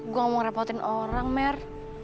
gue gak mau ngerepotin orang mer